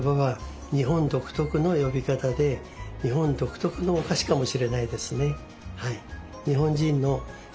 日本独特のお菓子かもしれないですね。